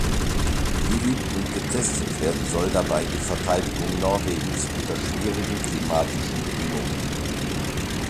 Geübt und getestet werden soll dabei die Verteidigung Norwegens unter schwierigen klimatischen Bedingungen.